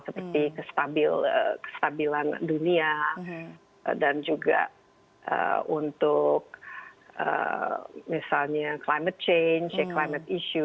seperti kestabilan dunia dan juga untuk misalnya climate change climate issue